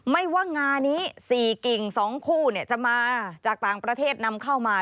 ไม่ว่างานี้๔กิ่ง๒คู่จะมาจากต่างประเทศนำเข้ามา